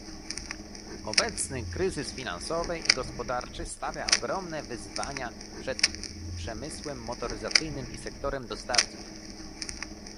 Obecny kryzys finansowy i gospodarczy stawia ogromne wyzwania przed przemysłem motoryzacyjnym i sektorem dostawców